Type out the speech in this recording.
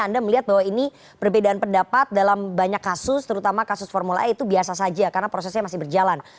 anda melihat bahwa ini perbedaan pendapat dalam banyak kasus terutama kasus formula e itu biasa saja karena prosesnya masih berjalan